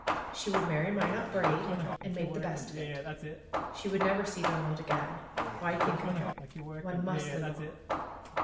She would marry Minot Braid, and make the best of it. She would never see Donald again. Why think of him? One must live on!